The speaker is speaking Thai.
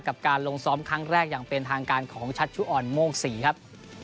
กับการลงซ้อมครั้งแรกอย่างเป็นทางการของชัชชุอ่อนโม่งศรีครับ